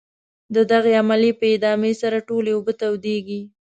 د دغې عملیې په ادامې سره ټولې اوبه تودیږي.